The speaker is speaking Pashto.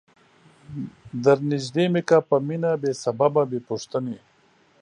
در نیژدې می که په مینه بې سببه بې پوښتنی